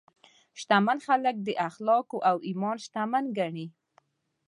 شتمن خلک د اخلاقو او ایمان شتمن ګڼي.